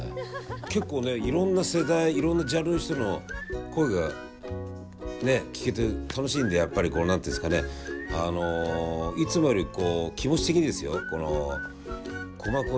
結構ね、いろんな世代いろんなジャンルの人の声が聞けて楽しいので、やっぱりいつもより気持ち的にですよ？